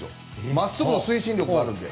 まっすぐの推進力があるんで。